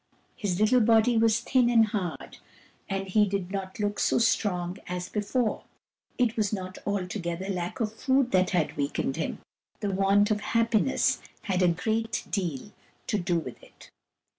His little body was thin and hard, and he did not look so strong as before. It was not altogether lack of food that had weakened him — the want of happiness had a great deal to do with it.